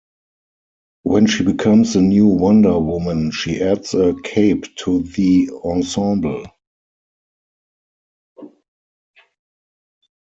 When she becomes the new Wonder Woman, she adds a cape to the ensemble.